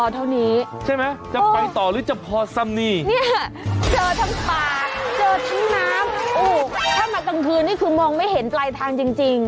ถ้ามากลางคืนนี่คือมองไม่เห็นไกลทางจริง